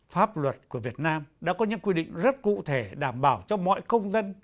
pháp luật của việt nam đã có những quy định rất cụ thể đảm bảo cho mọi công dân